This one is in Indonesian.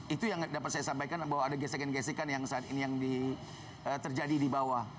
itu yang dapat saya sampaikan bahwa ada gesekan gesekan yang saat ini yang terjadi di bawah